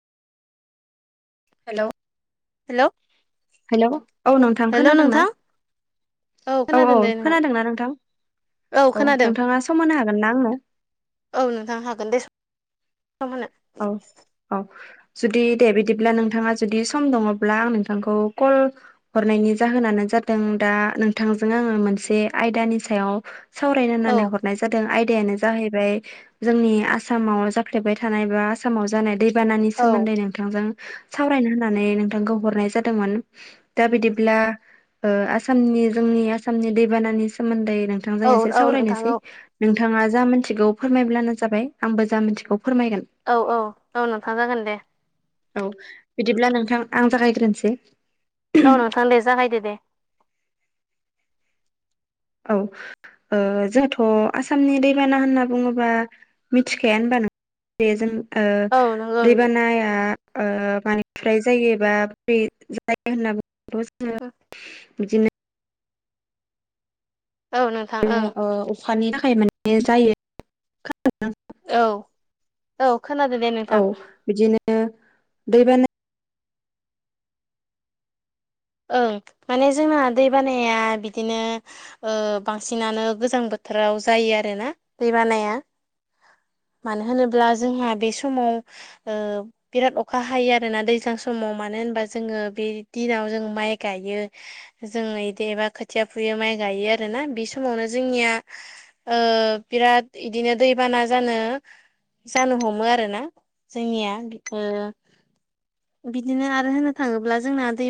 Hello hello hello औ नोंथां hello नोंथां खोनादोंना? औ औ खोनादों दे नोंथां खोनादोंना नोंथां? औ नोंथाङा सम होनो हागोनना आंनो? औ नोंथां हागोन दे सम होनो औ औ। जुदि दे बिदिब्ला नोंथाङा जुदि सम दङब्ला आं नोंथांखौ कल हरनायनि जाहोनानो जादों दा नोंथांजों आङो मोनसे आयदानि सायाव सावरायनो औ होननानै हरनाय जादों आयदायानो जाहैबाय जोंनि आसामाव जाफ्लेबाय थानाय बा आसामाव जानाय दैबानानि औ सोमोन्दै नों नोंथांजों सावरायनो होननानै नोंथांखौ हरनाय जादोंमोन दा बिदिब्ला ओ आसामनि जोंनि आसामनि दैबानानि सोमोन्दै नों थांजों औ एसे औ नोंथां सावरायनोसै औ नोंथाङा जा मोनथिगौ फोरमायब्लानो जाबाय आंबो जा मोनथिगौ फोरमायगोन। औ औ औ नोंथां जागोन दे। औ बिदिब्ला नोंथां आं जागायग्रोनोसै। औ नोंथां दे जागायदो दे। औ ओ जोहेथ आसामनि दैबाना होनना बुङोबा मिथिखाया होनबा नों बेजों ओ औ नंगौ दैबानाया ओ मानिफ्राय जायोबा दै जायो होनना बुंनोबो जोङो बिदिनो औ नोंथां ओं। हानि थाखाय माने जायो खोनादों औ औ खोनादो दे औ नोंथां। बिदिनो दैबाना ओं माने जोंना दै बानाया बिदिनो ओ बांसिनानो गोजां बोथोराव जायो आरोना दैबानाया। मानो होनोब्ला जोंहा बे समाव ओ बिराद अखा हायो आरोना दैज्लां समाव मानो होनबा जोङो बे दिनाव जों माइ गायो। जोंङो इदि एबा खोथिया फुयो माइ गायो आरोना बे समावनो जोंनिया ओ बिराद इदिनो दैबाना जानो जानो हमो आरो ना जोंनिया ओ बिदिनो आरो होनो थाङोब्ला जोंना दै